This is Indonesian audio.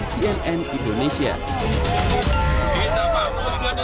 cnn indonesia kita maksudnya